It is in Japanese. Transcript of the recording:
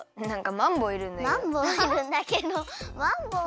まんぼういるんだけど。